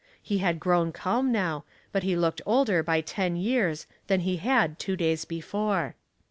He had grown calm now, but he looked older by ten years than he had two days before.